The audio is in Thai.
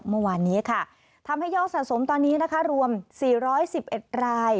เมื่อวานนี้ค่ะทำให้ยอดสะสมตอนนี้นะคะรวม๔๑๑ราย